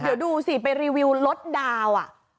เดี๋ยวดูสิไปรีวิวลดดาวน์